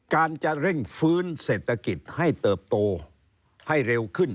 การจะเร่งฟื้นเศรษฐกิจให้เติบโตให้เร็วขึ้น